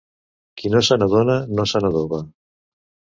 Qui no se n'adona no se n'adoba.